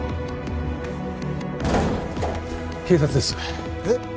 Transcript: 警察ですえっ？